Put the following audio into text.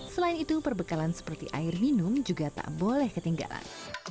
selain itu perbekalan seperti air minum juga tak boleh ketinggalan